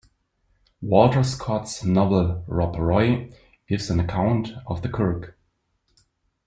Walter Scott's novel "Rob Roy" gives an account of the kirk.